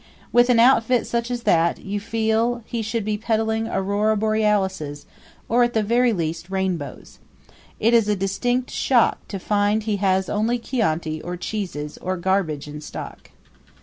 With an outfit such as that, you feel he should be peddling aurora borealises, or, at the very least, rainbows. It is a distinct shock to find he has only chianti or cheeses or garbage in stock.